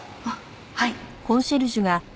あっはい。